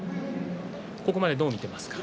ここまで、どう見ていますか？